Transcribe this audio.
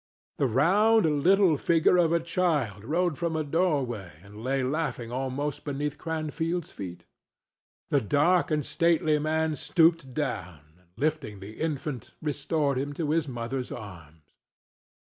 The round little figure of a child rolled from a doorway and lay laughing almost beneath Cranfield's feet. The dark and stately man stooped down, and, lifting the infant, restored him to his mother's arms.